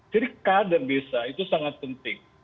jadi kader bisa itu sangat penting